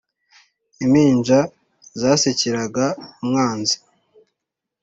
Impinja zasekeraga umwanzi